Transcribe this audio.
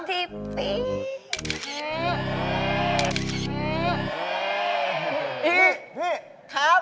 พี่ครับ